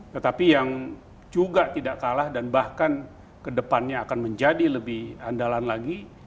tetapi yang juga tidak kalah dan bahkan kedepannya akan menjadi lebih andalan lagi